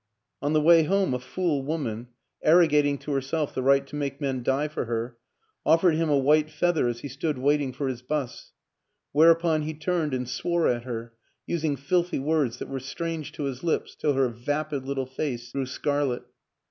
On the way home a fool woman, arrogat ing to herself the right to make men die for her, offered him a white feather as he stood waiting for his 'bus whereupon he turned and swore at her, using filthy words that were strange to his lips till her vapid little face grew scarlet.